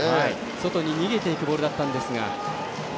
外に逃げていくボールだったんですが。